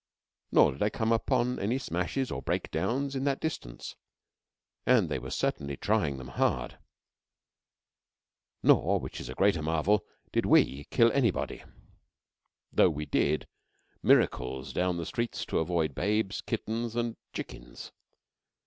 Nor did I come upon any smashes or breakdowns in that distance, and they were certainly trying them hard. Nor, which is the greater marvel, did we kill anybody; though we did miracles down the streets to avoid babes, kittens, and chickens.